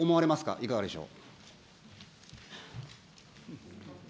いかがでしょう。